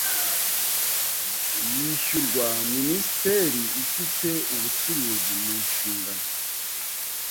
yishyurwa Minisiteri ifite ubucuruzi mu nshingano